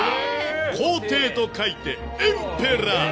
皇帝と書いてエンペラー。